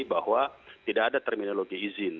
bahwa tidak ada terminologi izin